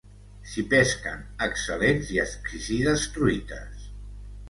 S'hi pesquen excel·lents i exquisides truites.